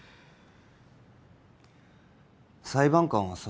裁判官はさ